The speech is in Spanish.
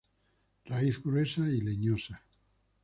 Raíz gruesa y leñosa.